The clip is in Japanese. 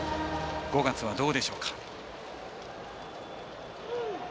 ５月はどうでしょうか。